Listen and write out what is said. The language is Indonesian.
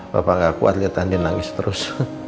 papa gak kuat liat andien nangis terus